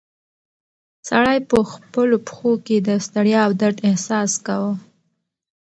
سړی په خپلو پښو کې د ستړیا او درد احساس کاوه.